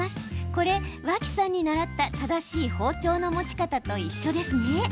これ、脇さんに習った正しい包丁の持ち方と一緒ですね。